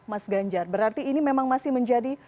mas ganjar berarti ini memang masih menjadi